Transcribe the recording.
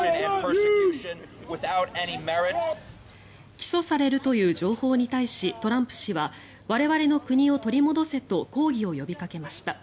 起訴されるという情報に対しトランプ氏は我々の国を取り戻せと抗議を呼びかけました。